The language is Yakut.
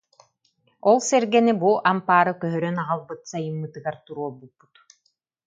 Ол сэргэни бу ампаары көһөрөн аҕалбыт сайыммытыгар туруорбуппут